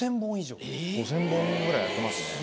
５０００本ぐらいやってますね。